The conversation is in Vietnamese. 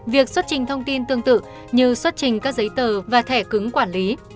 việc xuất trình thông tin tương tự như xuất trình các giấy tờ và thẻ cứng quản lý